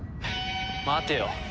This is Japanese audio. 待てよ。